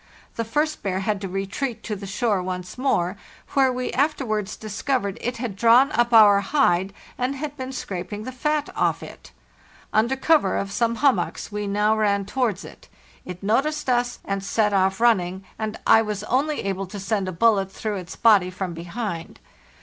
The first bear had to retreat to the shore once more, where we after wards discovered it had drawn up our hide and_ had been scraping the fat off it. Under cover of some hum mocks we now ran towards it. It noticed us, and set off 414 HFARTHEST NORTH running, and [ was only able to send a bullet through its body from behind.